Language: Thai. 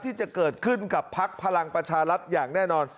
ที่จะเกิดขึ้นกับพักพลังประชารัฐอย่างแน่นอน